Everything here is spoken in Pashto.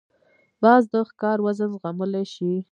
باز د ښکار وزن زغملای شي